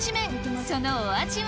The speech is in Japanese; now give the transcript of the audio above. そのお味は？